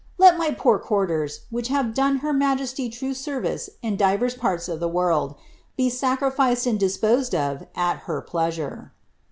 Let my poor quarlers, which have done her majesty true service in divers parts of ihe world, he sacrificed and dis posed of at her pleasure."